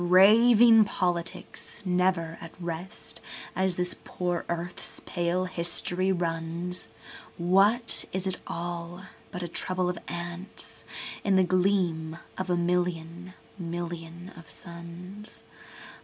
Raving politics, never at rest—as this poor earth's pale history runs,—What is it all but a trouble of ants in the gleam of a million million of suns?